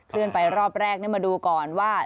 เลื่อนไปรอบแรกมาดูก่อนว่า